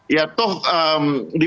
ya toh di